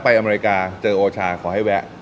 อเมริกาเจอโอชาขอให้แวะ